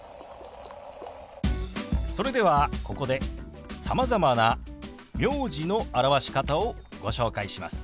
それではここでさまざまな名字の表し方をご紹介します。